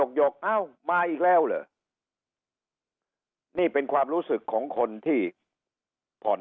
หยกเอ้ามาอีกแล้วเหรอนี่เป็นความรู้สึกของคนที่ผ่อน